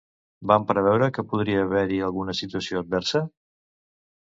Van preveure que podria haver-hi alguna situació adversa?